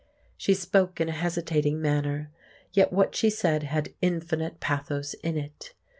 She spoke in a hesitating manner; yet what she said had infinite pathos in it.